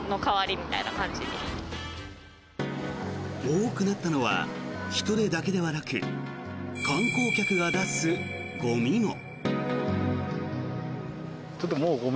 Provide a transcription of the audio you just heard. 多くなったのは人出だけでなく観光客が出すゴミも。